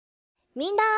みんな！